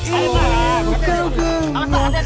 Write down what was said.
ibu kau genggam